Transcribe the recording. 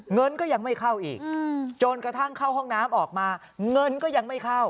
เงินก็ยังไม่เข้าอีกจนกระทั่งเข้าห้องน้ำออกมาเงินก็ยังไม่เข้า